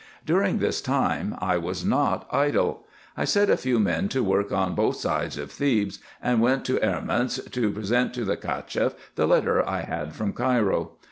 During this time I was not idle. I set a few men to work on both sides of Thebes, and went to Erments to present to the Cacheff the letter I had from Cairo.